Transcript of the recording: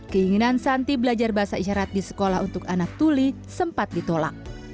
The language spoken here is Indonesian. keinginan santi belajar bahasa isyarat di sekolah untuk anak tuli sempat ditolak